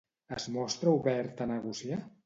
Es mostra obert a negociar?